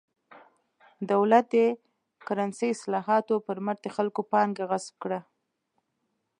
دولت د کرنسۍ اصلاحاتو پر مټ د خلکو پانګه غصب کړه.